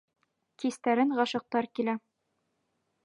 Кистәрен ғашиҡтәр килә.